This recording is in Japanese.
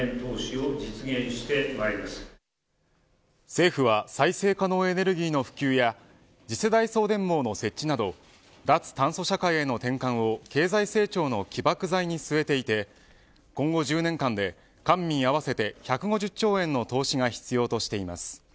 政府は再生可能エネルギーの普及や次世代送電網の設置など脱炭素社会への転換を経済成長の起爆剤に据えていて今後１０年間で官民合わせて１５０兆円の投資が必要とされています。